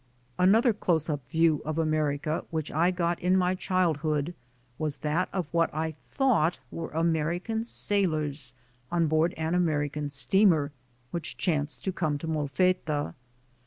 Another close up view of America which I got in my childhood was that of what I thought were 62 THE SOUL OF AN IMMIGRANT American sailors on board an American steamer, which chanced to come to Molfetta.